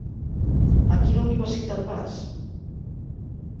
A quina universitat vas?